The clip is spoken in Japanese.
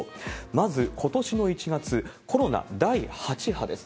まずことしの１月、コロナ第８波です。